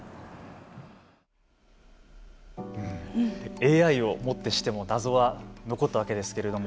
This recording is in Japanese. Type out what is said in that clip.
ＡＩをもってしても謎は残ったわけですけれども。